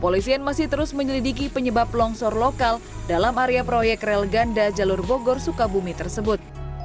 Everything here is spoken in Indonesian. polisian masih terus menyelidiki penyebab longsor lokal dalam area proyek rel ganda jalur bogor sukabumi tersebut